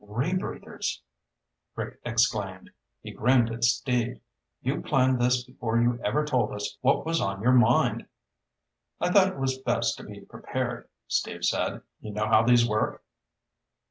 "Rebreathers!" Rick exclaimed. He grinned at Steve. "You planned this before you ever told us what was on your mind!" "I thought it was best to be prepared," Steve said. "You know how these work?"